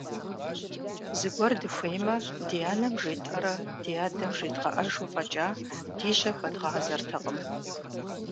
Зыгуэр дыхуеймэ, ди анэм жетӀэрэ ди адэм жредгъэӀэжу фӀэкӀа ди жьэ хуэдгъазэртэкъым.